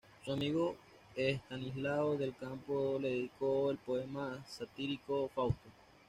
Su amigo Estanislao del Campo le dedicó el poema satírico "Fausto".